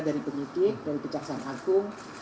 dari penyidik dari kejaksaan agung